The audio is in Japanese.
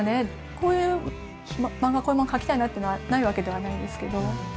こういう漫画描きたいなっていうのはないわけではないですけど